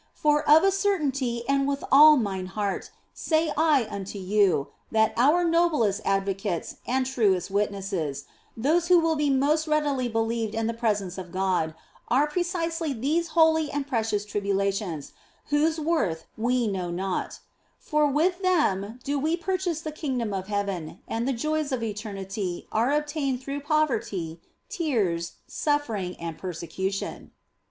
For of a certainty and with all mine heart say I unto you, that our noblest advocates and truest witnesses, those who will be most readily believed in the presence of God, are precisely these holy and precious tribulations, whose worth we know not ; for with them do we purchase the kingdom of heaven, and the joys of eternity are obtained through poverty, tears, suffering, and persecution.